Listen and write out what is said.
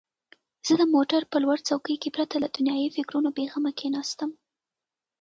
زه د موټر په لوړ څوکۍ کې پرته له دنیايي فکرونو بېغمه کښېناستم.